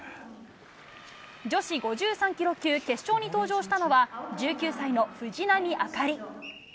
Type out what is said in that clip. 女子５３キロ級決勝に登場したのは、１９歳の藤波朱理。